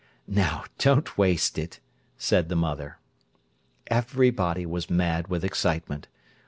"Now, don't waste it," said the mother. Everybody was mad with excitement.